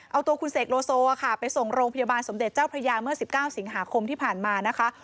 เอาตัวคุณเสกโลโซไปส่งโรงพยาบาลสมเด็จเจ้าพระยาเมื่อ๑๙สิงหาคมที่ผ่านมานะคะ